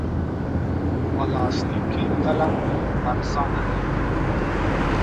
پلاستیکي قلم ارزانه دی.